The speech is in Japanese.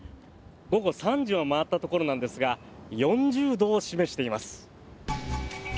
午後３時を回ったところなんですが４０度を示しています。